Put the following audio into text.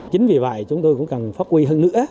chính vì vậy chúng tôi cũng cần phát huy hơn nữa